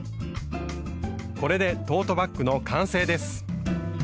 これでトートバッグの完成です。